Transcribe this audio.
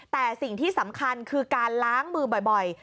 แต่สิ่งที่สำคัญคือการล้างมือบ่อย